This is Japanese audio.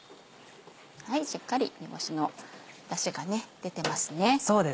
しっかり煮干しの出汁が出てます。